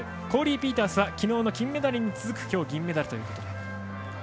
コーリー・ピータースは昨日の金メダルに続く今日の銀メダル。